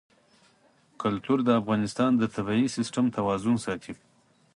کلتور د افغانستان د طبعي سیسټم توازن ساتي.